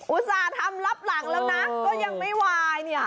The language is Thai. อุตส่าห์ทำรับหลังแล้วนะก็ยังไม่วายเนี่ย